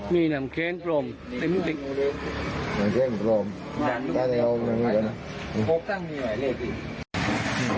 มีน้ำเครงปร่มน้ำเครงปร่มน้ำเครงต่างแห่ง